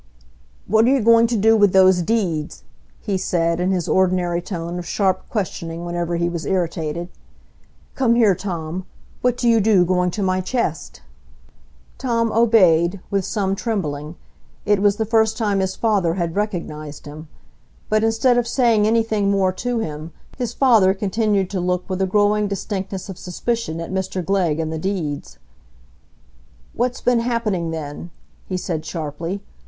"What are you going to do with those deeds?" he said, in his ordinary tone of sharp questioning whenever he was irritated. "Come here, Tom. What do you do, going to my chest?" Tom obeyed, with some trembling; it was the first time his father had recognised him. But instead of saying anything more to him, his father continued to look with a growing distinctness of suspicion at Mr Glegg and the deeds. "What's been happening, then?" he said sharply.